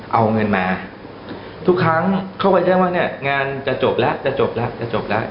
เอาเงินมาทุกครั้งเขาก็แจ้งว่าเนี่ยงานจะจบแล้วจะจบแล้วจะจบแล้ว